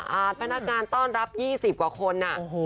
พนักงานต้อนรับ๒๐กว่าคน